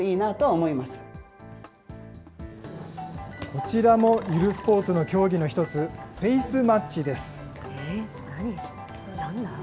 こちらも、ゆるスポーツの競技の一つ、フェイスマッチです。